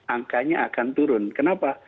angkanya akan turun kenapa